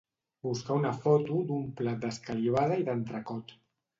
Buscar una foto d'un plat d'escalivada i d'entrecot.